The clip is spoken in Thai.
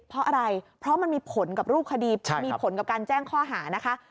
เพราะอะไรเพราะมันมีผลกับรูปคดีมีผลกับการแจ้งข้อหานะคะ